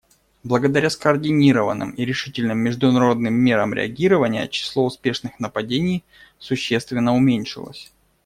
Благодаря скоординированным и решительным международным мерам реагирования число успешных нападений существенно уменьшилось.